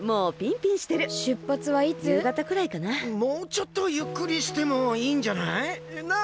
もうちょっとゆっくりしてもいいんじゃない？なあ？